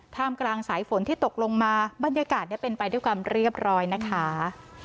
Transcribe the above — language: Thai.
ท่ามกลางสายฝนที่ตกลงมาบรรยากาศเป็นไปด้วยความเรียบร้อยนะคะ